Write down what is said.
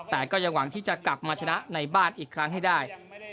แต่ก็ยังหวังที่จะกลับมาชนะในบ้านอีกครั้งให้ได้